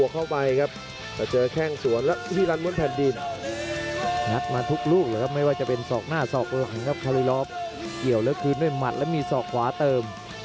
เขียวแล้วคืนด้วยหมัดและมีเกี่ยวสองขวาเติม